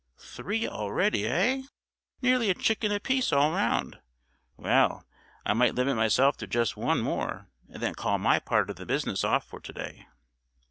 "Three already, eh? Nearly a chicken apiece, all around. Well, I might limit myself to just one more, and then call my part of the business off for to day."